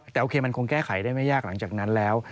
แต่โอเคมันคงแก้ไขได้ไม่ยากหลังจากนั้นแล้ว